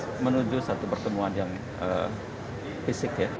untuk menuju satu pertemuan yang fisik